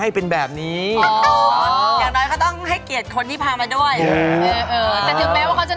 แล้วคุณพูดกับอันนี้ก็ไม่รู้นะผมว่ามันความเป็นส่วนตัวซึ่งกัน